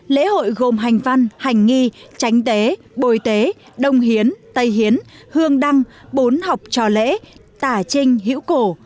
lễ hội gồm hành văn hành nghi tránh tế bồi tế đồng hiến tay hiến hương đăng bốn học trò lễ tả trinh hiểu cổ